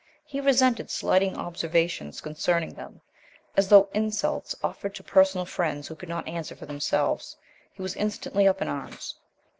He resented slighting observations concerning them, as though insults offered to personal friends who could not answer for themselves. He was instantly up in arms.